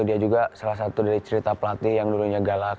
dia juga salah satu dari cerita pelatih yang dulunya galak